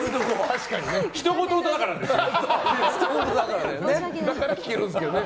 ひとごとだからですよ。